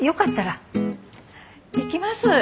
行きます。